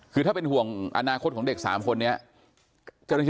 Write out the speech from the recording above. คือถ้าเป็นห่วงอนาคตของเด็กสามคนนี้